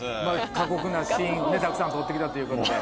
過酷なシーンをねたくさん撮って来たということで。